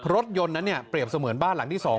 รถยนต์นั้นเนี่ยเปรียบเสมือนบ้านหลังที่๒